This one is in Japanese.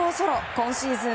今シーズン